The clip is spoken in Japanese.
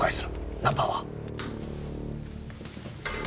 ナンバーは？